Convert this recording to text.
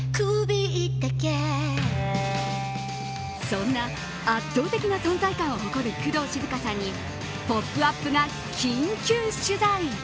そんな圧倒的な存在感を誇る工藤静香さんに「ポップＵＰ！」が緊急取材。